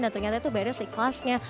dan ternyata itu bayarnya seikhlasnya